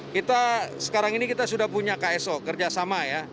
kita sekarang ini kita sudah punya kso kerjasama ya